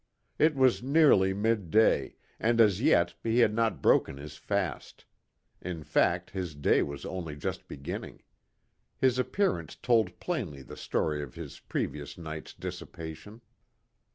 It was nearly midday, and as yet he had not broken his fast. In fact his day was only just beginning. His appearance told plainly the story of his previous night's dissipation.